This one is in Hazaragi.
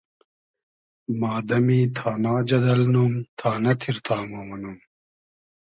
ما دئمی تانا جئدئل نوم ، تانۂ تیر تامۉ مونوم